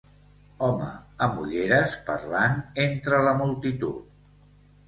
Home amb ulleres parlant entre la multitud.